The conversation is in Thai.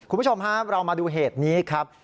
คุณผู้ชมครับเรามาดูเหตุนี้ครับ